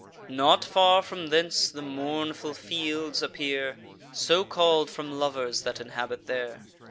Not far from thence, the Mournful Fields appear So call'd from lovers that inhabit there.